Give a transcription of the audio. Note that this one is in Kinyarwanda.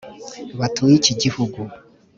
batuye iki gihugu.